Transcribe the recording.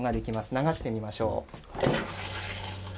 流してみましょう。